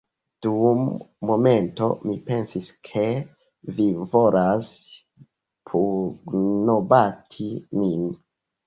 Dum momento, mi pensis, ke vi volas pugnobati min